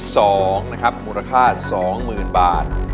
เพลงที่๒นะครับมูลค่า๒๐๐๐๐บาท